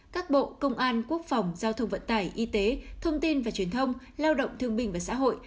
các bộ công an quốc phòng giao thông vận tải y tế thông tin và truyền thông lao động thương bình và xã hội